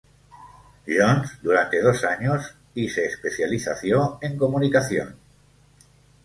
John's durante dos años y se especializó en comunicación.